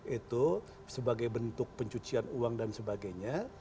itu sebagai bentuk pencucian uang dan sebagainya